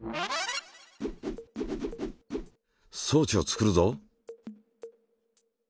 装置を作るぞ。